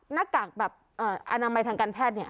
หน้ากากแบบอนามัยทางการแพทย์เนี่ย